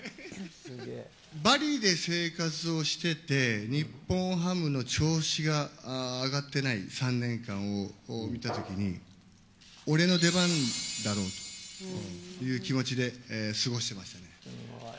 バリで生活をしてて、日本ハムの調子が上がっていない３年間を見たときに、俺の出番だろという気持ちで過ごしてましたね。